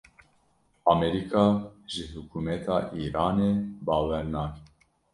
Amerîka ji hikûmeta Îranê bawer nake.